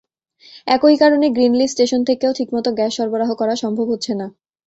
একই কারণেগ্রিন leaf station থেকেও ঠিকমতো গ্যাস সরবরাহ করা সম্ভব হচ্ছে না।